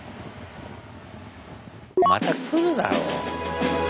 また来るだろう。